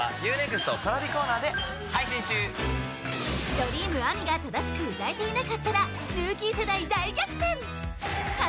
ＤｒｅａｍＡｍｉが正しく歌えていなかったらルーキー世代大逆転！